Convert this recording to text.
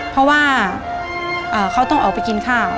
เพราะว่าเขาต้องออกไปกินข้าว